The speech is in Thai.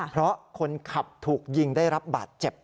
เพราะคนขับถูกยิงได้รับบาดเจ็บ